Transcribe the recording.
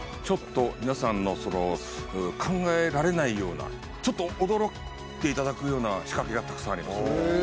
ちょっと皆さんの考えられないようなちょっと驚いて頂くような仕掛けがたくさんあります。